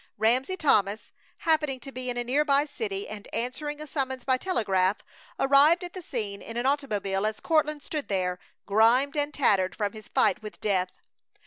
Ramsey Thomas, happening to be in a near by city, and answering a summons by telegraph, arrived at the scene in an automobile as Courtland stood there, grimed and tattered from his fight with death.